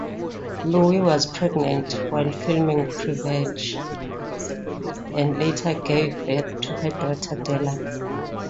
Lowe was pregnant while filming "Prevenge" and later gave birth to her daughter, Della.